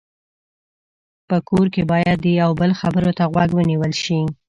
په کور کې باید د یو بل خبرو ته غوږ ونیول شي.